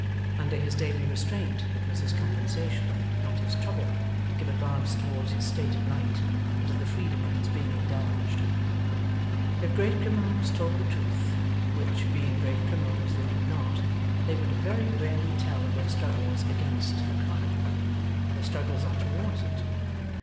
Under his daily restraint, it was his compensation, not his trouble, to give a glance towards his state at night, and to the freedom of its being indulged. If great criminals told the truth which, being great criminals, they do not they would very rarely tell of their struggles against the crime. Their struggles are towards it.